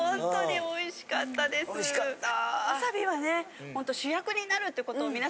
おいしかった！